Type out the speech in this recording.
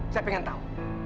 saya pengen tahu